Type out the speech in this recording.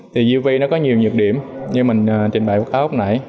thì uv nó có nhiều nhược điểm như mình trình bày với các ông hôm nãy